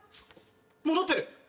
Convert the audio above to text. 戻ってる！